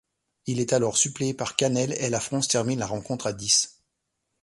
Il est alors suppléé par Canelle et la France termine la rencontre à dix.